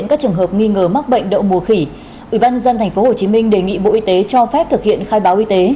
cho phép thực hiện khai báo y tế